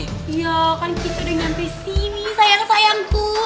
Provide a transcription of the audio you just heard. ya kan kita udah nyampe sini sayang sayangku